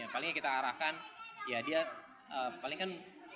palingnya kita arahkan ya dia paling kan